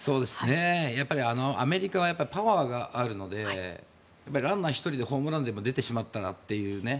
やっぱりアメリカはパワーがあるのでランナー１人でホームラン出てしまったらというね。